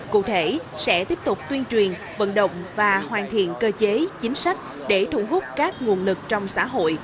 cụ thể sẽ tiếp tục tuyên truyền vận động và hoàn thiện cơ chế chính sách để thu hút các nguồn lực trong xã hội